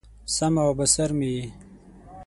سمع او بصر مې یې